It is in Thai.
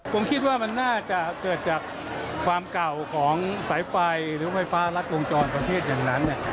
ผมคิดว่ามันน่าจะเกิดจากความเก่าของสายไฟหรือไฟฟ้ารัดวงจรประเทศอย่างนั้น